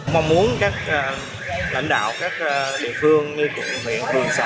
mình muốn các lãnh đạo các địa phương như cục miệng quyền xã